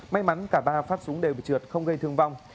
may mắn cả ba phát súng đều bị trượt không gây thương vong